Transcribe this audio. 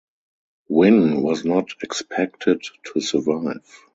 Wynn was not expected to survive.